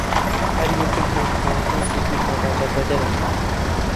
هەریەکەیان خاوەن هێزێکی لەرادەبەدەرە